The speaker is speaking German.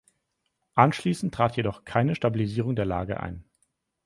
Anschließend trat jedoch keine Stabilisierung der Lage ein.